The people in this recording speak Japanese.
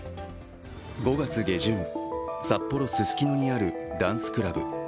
５月下旬、札幌・ススキノにあるダンスクラブ。